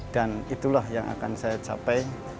dan itulah yang akan saya capai